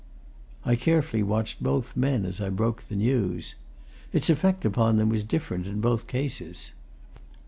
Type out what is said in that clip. I carefully watched both men as I broke the news. Its effect upon them was different in both cases.